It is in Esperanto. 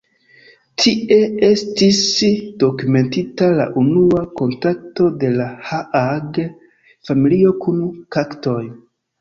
Tie estis dokumentita la unua kontakto de la Haage-familio kun kaktoj.